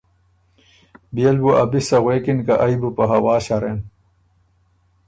بيې ل بُو ا بی سۀ غوېکِن که ائ بُو په هوا شرېن،